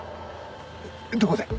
どこで？